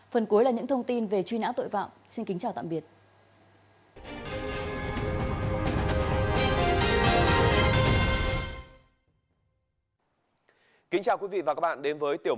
phần cuối là những thông tin về truy nã tội phạm xin kính chào tạm biệt